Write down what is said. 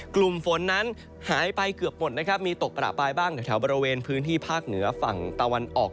กลุ่มฝนนั้นหายไปเกือบหมดนะครับมีตกประปายบ้างแถวบริเวณพื้นที่ภาคเหนือฝั่งตะวันออก